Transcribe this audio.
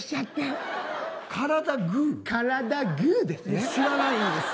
いや、知らないです。